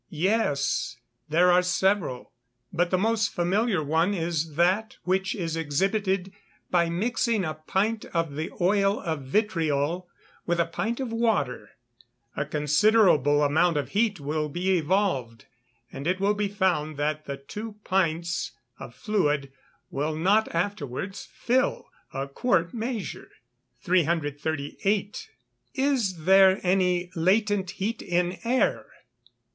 _ Yes, there are several. But the most familiar one is that which is exhibited by mixing a pint of the oil of vitriol with a pint of water. A considerable amount of heat will be evolved; and it will be found that the two pints of fluid will not afterwards fill a quart measure. 338. _Is there any latent heat in air?